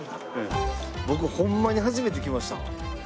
僕ホンマに初めて来ました。